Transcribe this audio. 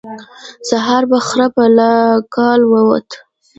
سهار په خړه به له کلا ووت.